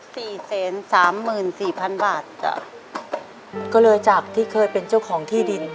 สี่แสนสามหมื่นสี่พันบาทจ้ะอืมก็เลยจากที่เคยเป็นเจ้าของที่ดิน